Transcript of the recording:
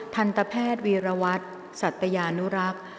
ทันตแพทย์วีรวัตรสัตยานุรักษ์